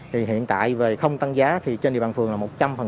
thì hiện tại về không tăng giá thì trên địa bàn phường là một trăm linh